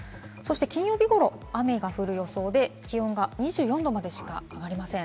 金曜日頃、雨が降る予想で、気温が２４度までしか上がりません。